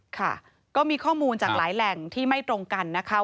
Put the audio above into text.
ค่ะก็มีข้อมูลจากหลายแหล่งที่ไม่ตรงกันนะคะ